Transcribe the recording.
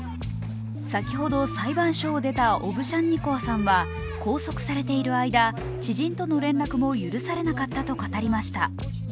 先ほど、裁判所を出たオブシャンニコワさんは拘束されている間、知人との連絡も許されなかったと語りました。